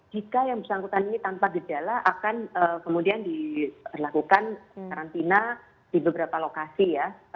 jika yang bersangkutan ini tanpa gejala akan kemudian dilakukan karantina di beberapa lokasi ya